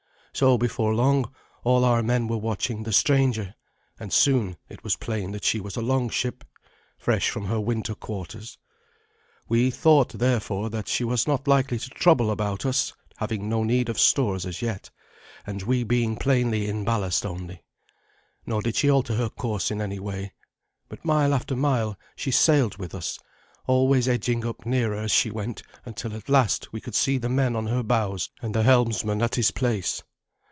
So before long all our men were watching the stranger, and soon it was plain that she was a longship, fresh from her winter quarters. We thought, therefore, that she was not likely to trouble about us, having no need of stores as yet, and we being plainly in ballast only. Nor did she alter her course in any way, but mile after mile she sailed with us, always edging up nearer as she went, until at last we could see the men on her bows and the helmsman at his place.